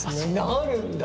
なるんだ！